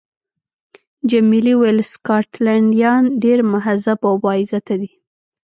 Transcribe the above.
جميلې وويل: سکاټلنډیان ډېر مهذب او با عزته دي.